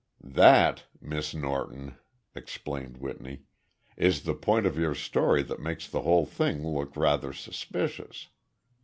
"That, Miss Norton," explained Whitney, "is the point of your story that makes the whole thing look rather suspicious.